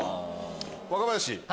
若林。